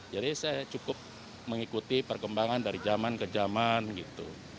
jadi saya cukup mengikuti perkembangan dari zaman ke zaman gitu